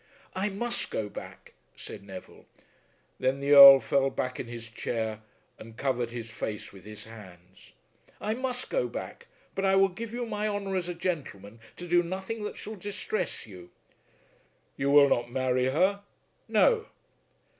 "I must go back," said Neville. Then the Earl fell back in his chair and covered his face with his hands. "I must go back; but I will give you my honour as a gentleman to do nothing that shall distress you." "You will not marry her?" "No."